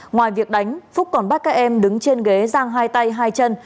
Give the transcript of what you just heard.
ngoài việc đánh phúc còn bắt các em đứng trên ghế giang hai tay hai chân